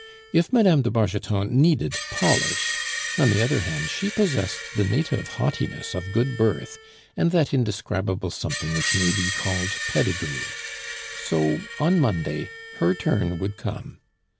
If Mme. de Bargeton needed polish, on the other hand she possessed the native haughtiness of good birth, and that indescribable something which may be called "pedigree." So, on Monday her turn would come.